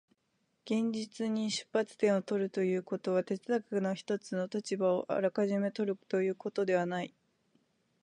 現実に出発点を取るということは、哲学の一つの立場をあらかじめ取るということではない。